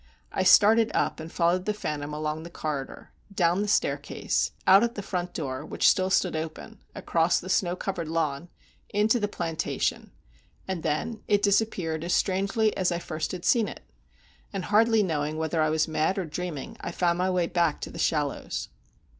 I started up, and followed the phantom along the corridor—down the staircase—out at the front door, which still stood open—across the snow covered lawn—into the plantation; and then it disappeared as strangely as I first had seen it; and, hardly knowing whether I was mad or dreaming, I found my way back to The Shallows.